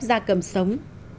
gia cầm sống